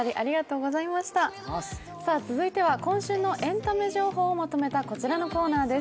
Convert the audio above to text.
続いては今週のエンタメ情報をまとめたこちらのコーナーです。